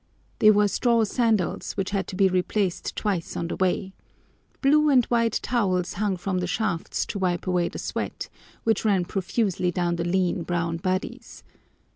They wore straw sandals, which had to be replaced twice on the way. Blue and white towels hung from the shafts to wipe away the sweat, which ran profusely down the lean, brown bodies.